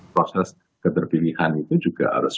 proses keterpilihan itu juga harus